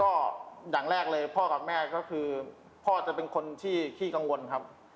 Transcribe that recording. ก็อย่างแรกเลยพ่อกับแม่ก็คือพ่อจะเป็นคนที่ขี้กังวลครับ